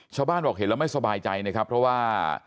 ชาวบ้านบอกเห็นแล้วไม่สบายใจนะครับเพราะว่า